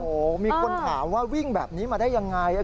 โอ้โหมีคนถามว่าวิ่งแบบนี้มาได้ยังไง